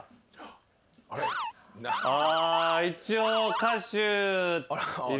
あ一応歌手。